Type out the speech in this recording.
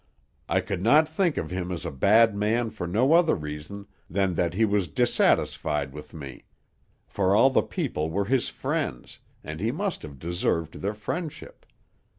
I could not think of him as a bad man for no other reason than that he was dissatisfied with me; for all the people were his friends, and he must have deserved their friendship.